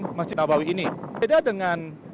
jemaah yang berjalan